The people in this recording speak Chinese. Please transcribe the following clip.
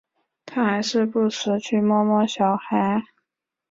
他还是不时去摸摸小孩